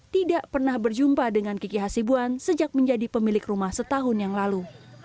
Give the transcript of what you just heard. tidak pernah berjumpa dengan kiki hasibuan sejak menjadi pemilik rumah setahun yang lalu